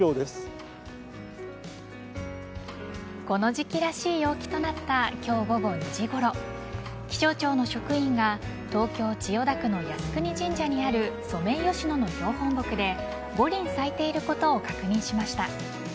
この時期らしい陽気となった今日午後２時ごろ気象庁の職員が東京・千代田区の靖国神社にあるソメイヨシノの標本木で５輪咲いていることを確認しました。